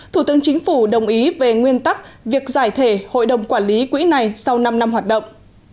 thủ tướng chính phủ đồng ý về nguyên tắc việc giải thể hội đồng quản lý quỹ này sau năm năm hoạt động